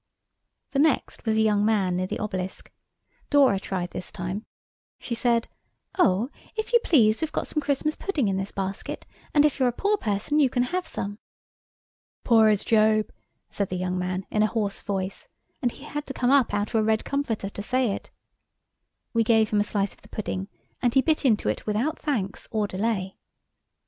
The next was a young man near the Obelisk. Dora tried this time. She said, "Oh, if you please we've got some Christmas pudding in this basket, and if you're a poor person you can have some." "Poor as Job," said the young man in a hoarse voice, and he had to come up out of a red comforter to say it. We gave him a slice of the pudding, and he bit into it without thanks or delay.